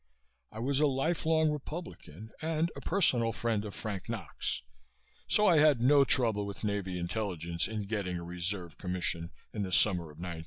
I was a life long Republican and a personal friend of Frank Knox, so I had no trouble with Navy Intelligence in getting a reserve commission in the summer of 1940.